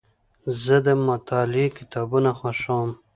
زه د مطالعې کتابونه خوښوم.